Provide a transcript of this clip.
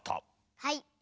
はい。